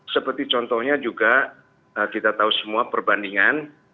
seperti contohnya juga kita tahu semua perbandingan